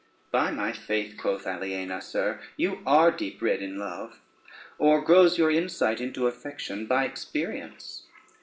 "By my faith," quoth Aliena, "sir, you are deep read in love, or grows your insight into affection by experience?